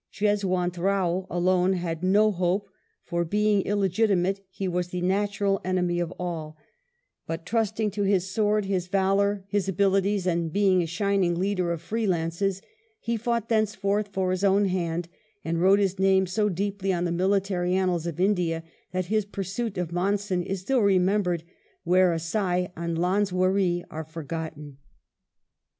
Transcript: Jeswunt Rao alone had no hope, for, being illegitimate, he was the natural enemy of all; but, trusting to his sword, his valour, his abilities, and being a shining leader of free lances, he fought thenceforth for his own hand, and wrote his name so deeply on the military annals of India, that his pursuit of Monson is still remembered where Assaye and Laswarree are forgotten.